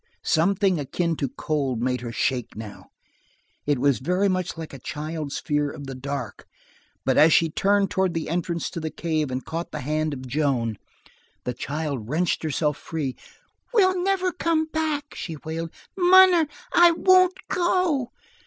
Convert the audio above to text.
Something akin to cold made her shake now. It was very much like a child's fear of the dark. But as she turned towards the entrance to the cave and caught the hand of Joan, the child wrenched herself free. "We'll never come back," she wailed. "Munner, I won't go!"